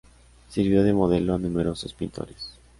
Sirvió de modelo a numerosos pintores.